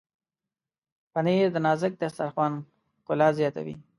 پنېر د نازک دسترخوان ښکلا زیاتوي.